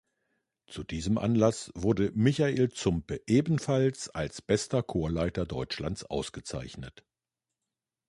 Zu diesem Anlass wurde Michael Zumpe ebenfalls als bester Chorleiter Deutschlands ausgezeichnet.